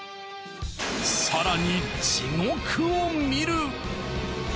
さらに地獄を見る！